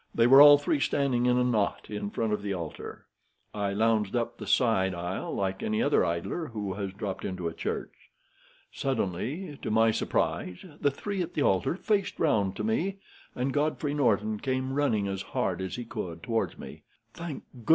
They were all three standing in a knot in front of the altar. I lounged up the side aisle like any other idler who has dropped into a church. Suddenly, to my surprise, the three at the altar faced round to me, and Godfrey Norton came running as hard as he could toward me. "'Thank God!'